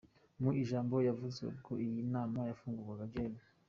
Mu ijambo yavuze ubwo iyi nama yafungurwaga, Gen.